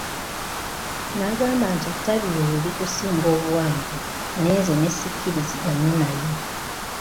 N'agamba nti ettabi eryo likusinga obuwanvu, naye nze ne sikkiriziganya naye.